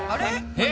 えっ？